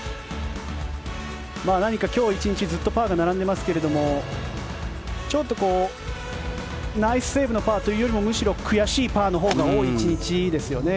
何か今日１日ずっとパーが並んでますけどちょっとナイスセーブのパーというよりもむしろ悔しいパーのほうが多い１日ですよね。